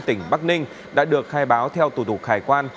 tỉnh bắc ninh đã được khai báo theo thủ tục khai quan